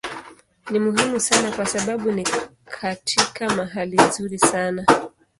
Ni muhimu sana kwa sababu ni katika mahali nzuri sana.